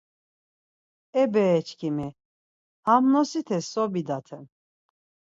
E bereçkimi ham ğnosite so bidaten!